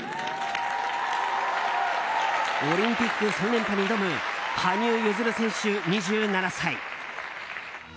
オリンピック３連覇に挑む羽生結弦選手、２７歳。